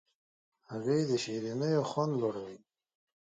هګۍ د شیرینیو خوند لوړوي.